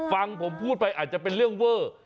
ฟังผมพูดไปอาจจะเป็นเรื่องเวอร์